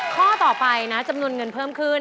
ข้อต่อไปนะจำนวนเงินเพิ่มขึ้น